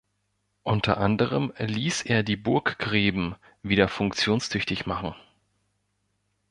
Unter anderem ließ er die Burggräben wieder funktionstüchtig machen.